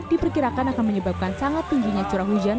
diperkirakan akan menyebabkan sangat tingginya curah hujan